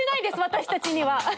私たちには。